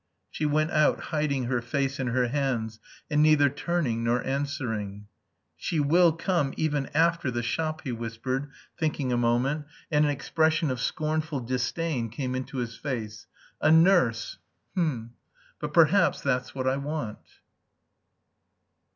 She went out, hiding her face in her hands, and neither turning nor answering. "She will come even after the shop," he whispered, thinking a moment, and an expression of scornful disdain came into his face. "A nurse! H'm!... but perhaps that's what I want."